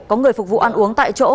có người phục vụ ăn uống tại chỗ